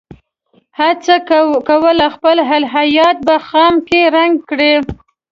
هڅه کوله خپل الهیات په خُم کې رنګ کړي.